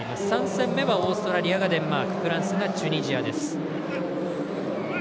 ３戦目はオーストラリアがデンマークフランスがチュニジアです。